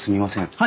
はい。